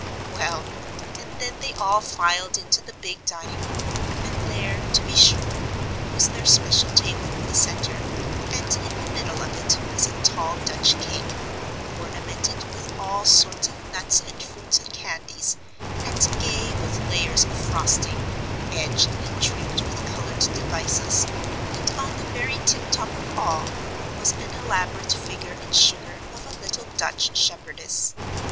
Well, and then they all filed into the big dining room, and there, to be sure, was their special table in the centre, and in the middle of it was a tall Dutch cake, ornamented with all sorts of nuts and fruits and candies, and gay with layers of frosting, edged and trimmed with coloured devices, and on the very tip top of all was an elaborate figure in sugar of a little Dutch shepherdess.